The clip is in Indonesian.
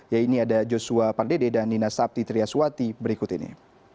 ya ini ada joshua pardede dan nina sabti triaswati berikut ini